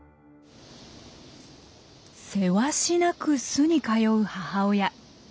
せわしなく巣に通う母親。